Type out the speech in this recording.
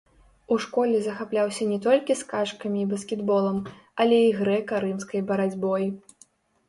У школе захапляўся не толькі скачкамі і баскетболам, але і грэка-рымскай барацьбой.